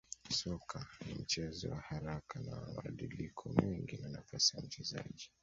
Soka ni mchezo wa haraka na wa mabadiliko mengi na nafasi ya mchezaji